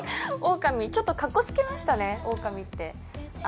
ちょっとかっこつけましたね、オオカミって。